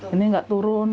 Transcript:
ini nggak turun